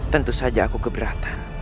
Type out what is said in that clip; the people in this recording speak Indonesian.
tentu saja aku keberatan